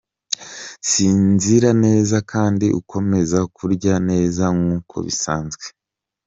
Sinzira neza, kandi ukomeze kurya neza nk’uko bisanzwe.